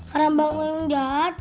karena bang mehmet jahat